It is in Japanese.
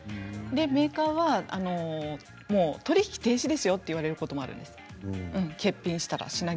メーカーは取引停止ですよと言われることもあるんです欠品したら。